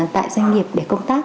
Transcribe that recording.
tại doanh nghiệp để công tác